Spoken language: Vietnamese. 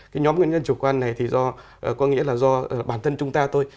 cái nhóm nguyên nhân chủ quan này thì do có nghĩa là do bản thân chúng ta thôi